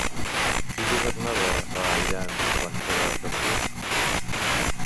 Qui governava a Iran quan fora campió?